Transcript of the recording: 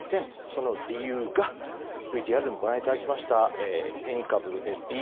その理由がＶＴＲでもご覧いただきました変異株ＢＡ．５。